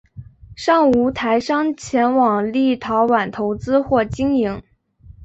尚无台商前往立陶宛投资或经营。